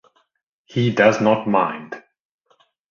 He does not mind.